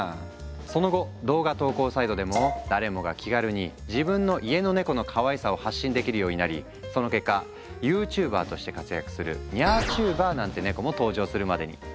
その後動画投稿サイトでも誰もが気軽に自分の家のネコのかわいさを発信できるようになりその結果ユーチューバーとして活躍する「ニャーチューバー」なんてネコも登場するまでに。